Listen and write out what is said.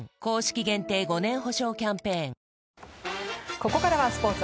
ここからはスポーツ。